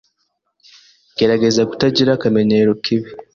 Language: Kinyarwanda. Gerageza kutagira akamenyero kibi.